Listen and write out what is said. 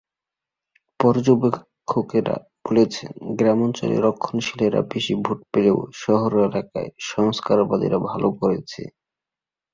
পর্যবেক্ষকেরা বলেছেন, গ্রামাঞ্চলে রক্ষণশীলেরা বেশি ভোট পেলেও শহর এলাকায় সংস্কারবাদীরা ভালো করেছে।